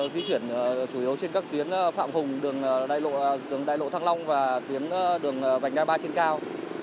di chuyển chủ yếu trên các tuyến phạm hùng đường đại lộ thăng long và tuyến đường vành đai ba trên cao